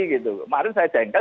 kemarin saya jengkel